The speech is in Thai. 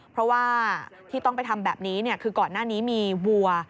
เพราะว่าที่ต้องไปทำแบบนี้คือก่อนหน้านี้มีวัว